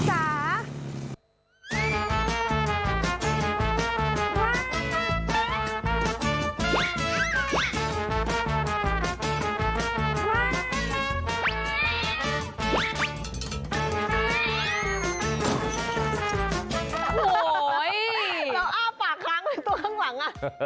โหวยแล้วอ้าวแปลกขังไปตัวข้างหลัง